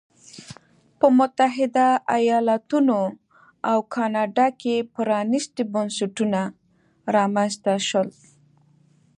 په متحده ایالتونو او کاناډا کې پرانیستي بنسټونه رامنځته شول.